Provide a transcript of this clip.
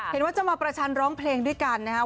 เห็นว่าจะมาประชันร้องเพลงด้วยกันนะครับ